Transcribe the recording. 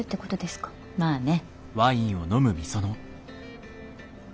まあね。